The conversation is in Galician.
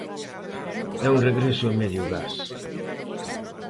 É un regreso a medio gas.